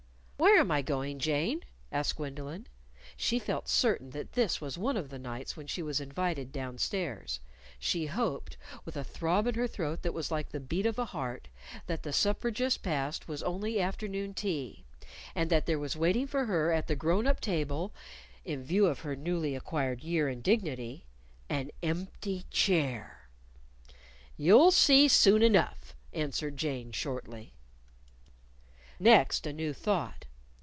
"Where am I going, Jane?" asked Gwendolyn. (She felt certain that this was one of the nights when she was invited downstairs: She hoped with a throb in her throat that was like the beat of a heart that the supper just past was only afternoon tea, and that there was waiting for her at the grown up table in view of her newly acquired year and dignity an empty chair.) "You'll see soon enough," answered Jane, shortly. Next, a new thought!